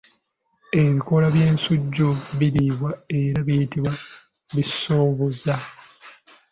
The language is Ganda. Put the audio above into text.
Ebikoola by’ensujju biriibwa era biyitibwa bisoobooza.